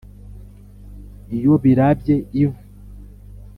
iyo birabye ivu